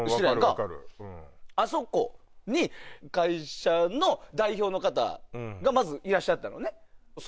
あそこに会社の代表の方がまずいらっしゃったのね。